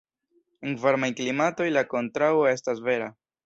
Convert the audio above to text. En varmaj klimatoj, la kontraŭo estas vera.